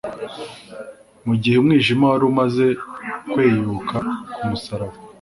Mu gihe umwijima wari umaze kweyuka ku musaraba,